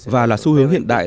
và là xu hướng hiện đại